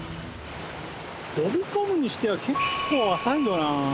飛び込むにしては結構浅いよな。